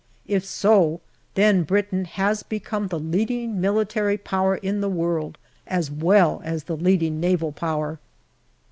If so, then Britain has become the leading Military Power in the world, as well as the leading Naval Power.